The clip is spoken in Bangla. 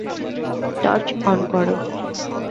টর্চ অন করো।